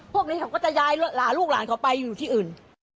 พวกนี้เขาก็จะย้ายลูกหลานเขาไปอยู่ที่อื่น